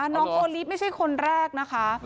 น้องโอลิฟไม่ใช่คนแรกนะคะ